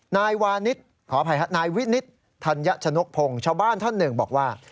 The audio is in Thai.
นายวินิศธัญชนกพงศ์ชาวบ้านท่านหนึ่งบอกว่า